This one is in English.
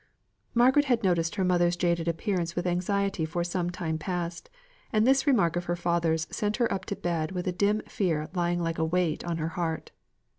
Margaret had noticed her mother's jaded appearance with anxiety for some time past, and this remark of her father's sent her up to bed with a dim fear lying like a weight on her heart.